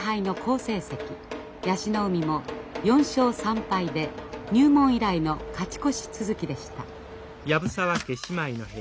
椰子の海も４勝３敗で入門以来の勝ち越し続きでした。